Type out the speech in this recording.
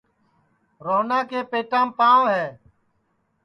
روہنا کے پیتام پانٚؤ ہے